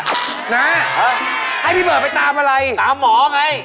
นะให้พี่เบิร์ดไปตามอะไรตามหมอไง